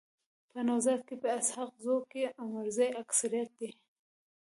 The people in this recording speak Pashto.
په نوزاد کي په اسحق زو کي عمرزي اکثريت دي.